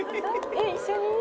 えっ一緒に？